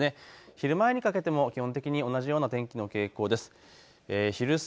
昼前にかけても基本的に同じような天気の傾向です。